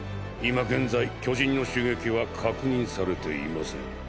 今現在巨人の襲撃は確認されていません。